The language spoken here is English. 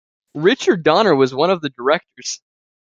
Richard Donner was one of the directors.